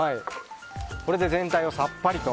これで全体をさっぱりと。